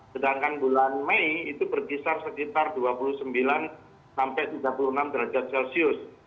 sedangkan bulan mei itu berkisar sekitar dua puluh sembilan sampai tiga puluh enam derajat celcius